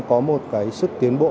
có một cái sức tiến bộ